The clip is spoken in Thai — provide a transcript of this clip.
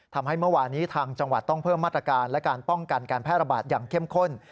เมื่อวานี้ทางจังหวัดต้องเพิ่มมาตรการและการป้องกันการแพร่ระบาดอย่างเข้มข้น